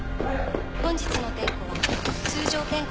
本日の点呼は通常点呼です。